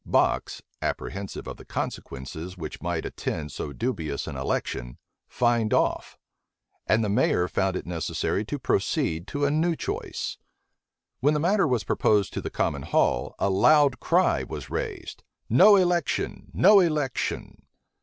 Box, apprehensive of the consequences which might attend so dubious an election, fined off; and the mayor found it necessary to proceed to a new choice. When the matter was proposed to the common hall, a loud cry was raised, "No election! No election!"